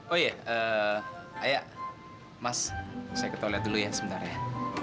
oh ya aya mas saya ketualiat dulu ya sebentar ya